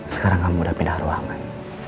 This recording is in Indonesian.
sekarang kamu udah pindah ruangan